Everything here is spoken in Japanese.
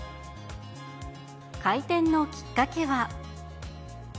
開店のきっかけは。